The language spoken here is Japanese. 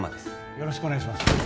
よろしくお願いします